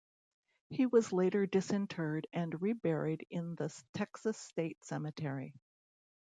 He was later disinterred and reburied in the Texas State Cemetery.